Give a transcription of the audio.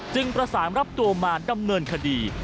ประสานรับตัวมาดำเนินคดี